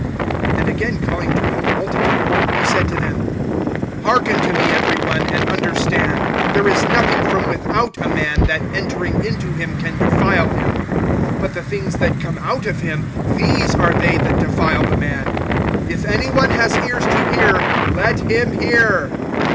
(14)And again calling to him the multitude, he said to them: Hearken to me every one, and understand. (15)There is nothing from without a man, that entering into him can defile him; but the things that come out of him, these are they that defile the man. (16)If any one has ears to hear, let him hear.